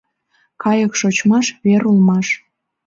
Кайык шочмаш вер улмаш.